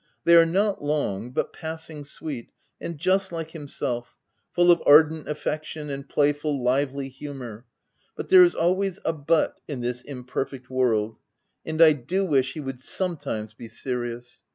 They are not long, but passing sweet, and just like himself — full of ardent affection, and playful, lively humour; but — there is always a but in this imperfect world — and I do wish he would sometimes be serious.